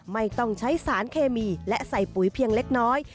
ไม่ต้องใช้สารเคมีและใส่ปุ๋ยเพียงเล็กน้อย